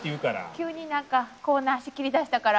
急になんかコーナー仕切りだしたから。